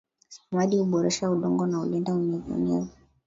samadi huboresha udongo na hulinda unyevu unyevu